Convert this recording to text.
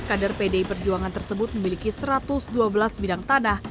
kader pdi perjuangan tersebut memiliki satu ratus dua belas bidang tanah